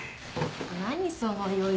何その余裕。